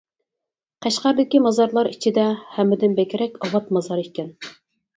قەشقەردىكى مازارلار ئىچىدە ھەممىدىن بەكرەك ئاۋات مازار ئىكەن.